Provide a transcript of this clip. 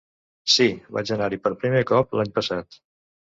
Sí, vaig anar-hi per primer cop l'any passat.